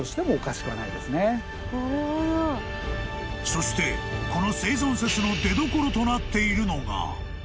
［そしてこの生存説の出どころとなっているのが］